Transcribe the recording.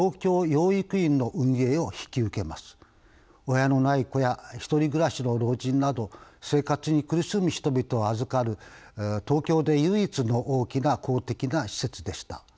親のない子や独り暮らしの老人など生活に苦しむ人々を預かる東京で唯一の大きな公的な施設でした。